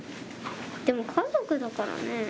でも家族だからね。